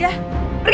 pergi pergi pergi